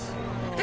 え？